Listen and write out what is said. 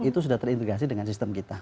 itu sudah terintegrasi dengan sistem kita